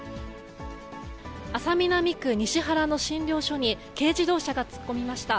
安佐南区西原の診療所に、軽自動車が突っ込みました。